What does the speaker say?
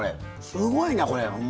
すごいな、これ。